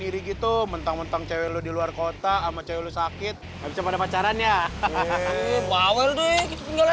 iri gitu mentang mentang cewek lu di luar kota ama cewek sakit ada pacaran ya hahaha